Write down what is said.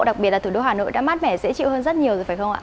đặc biệt là thủ đô hà nội đã mát mẻ dễ chịu hơn rất nhiều